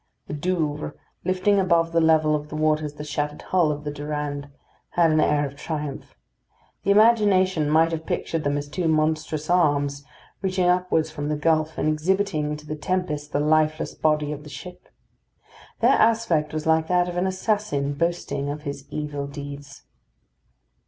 The Douvres, lifting above the level of the waters the shattered hull of the Durande, had an air of triumph. The imagination might have pictured them as two monstrous arms, reaching upwards from the gulf, and exhibiting to the tempest the lifeless body of the ship. Their aspect was like that of an assassin boasting of his evil deeds.